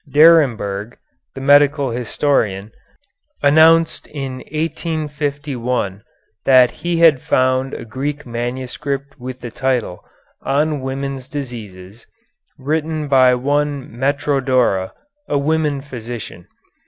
Daremberg, the medical historian, announced in 1851 that he had found a Greek manuscript with the title, "On Women's Diseases," written by one Metrodora, a woman physician.